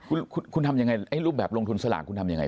คุณคุณทำยังไงไอ้รูปแบบลงทุนสลากคุณทำยังไง